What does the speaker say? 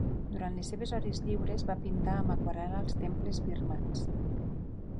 Durant les seves hores lliures, va pintar amb aquarel·la els temples birmans.